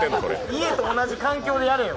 家と同じ環境でやれよ。